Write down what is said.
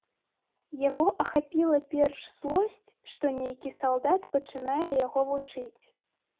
Яго ахапіла перш злосць, што нейкі салдат пачынае яго вучыць.